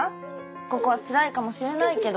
ここはつらいかもしれないけど。